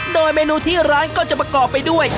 โดยเมนูที่ร้านก็จะประกอบไปด้วย